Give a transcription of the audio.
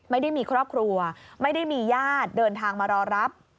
ไม่ได้มีครอบครัวไม่ได้มีญาติเดินทางมารอรับ